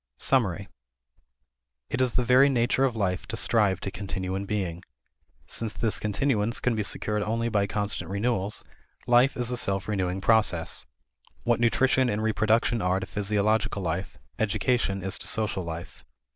Summary. It is the very nature of life to strive to continue in being. Since this continuance can be secured only by constant renewals, life is a self renewing process. What nutrition and reproduction are to physiological life, education is to social life.